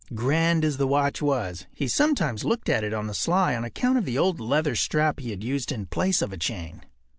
Grand as the watch was, he sometimes looked at it on the sly on account of the old leather strap that he used in place of a chain.